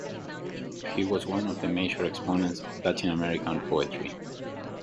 He was one of the major exponents of Latin American poetry.